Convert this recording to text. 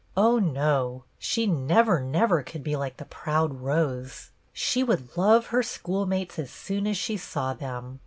Oh, no ! She never, never could be like the proud Rose ! She would love her schoolmates as soon as she saw them.